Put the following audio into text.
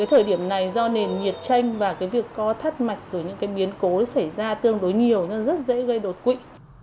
ở thời điểm này do nền nhiệt tranh và việc có thắt mạch dù những biến cố xảy ra tương đối nhiều rất dễ gây đột quỵ